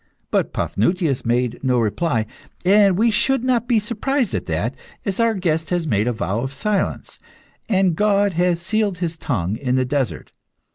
But Paphnutius made no reply, and we should not be surprised at that, as our guest has made a vow of silence, and God has sealed his tongue in the desert.